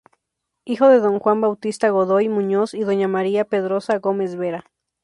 Hijo de don Juan Bautista Godoy Muñoz y doña María Pedroza Gómez Vera.